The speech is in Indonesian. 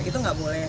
itu nggak boleh